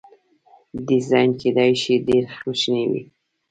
ډیزاین کیدای شي ډیر کوچنی وي.